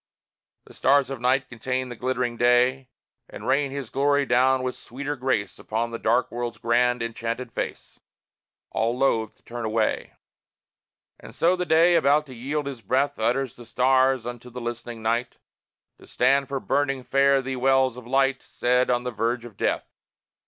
The stars of Night contain the glittering Day And rain his glory down with sweeter grace Upon the dark World's grand, enchanted face All loth to turn away. And so the Day, about to yield his breath, Utters the stars unto the listening Night, To stand for burning fare thee wells of light Said on the verge of death.